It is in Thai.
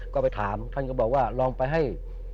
ก็ไปถามท่านก็บอกว่าลองไปให้